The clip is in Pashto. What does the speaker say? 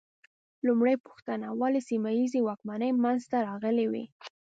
لومړۍ پوښتنه: ولې سیمه ییزې واکمنۍ منځ ته راغلې وې؟